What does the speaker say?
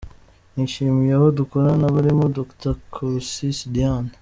Nishimiye abo dukorana barimo Dr Karusisi Diane.